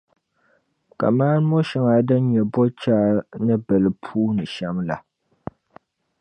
kaman mɔ’ shɛŋa din nyɛ bɔchaa ni bili puu ni shɛm la.